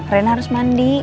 rena harus mandi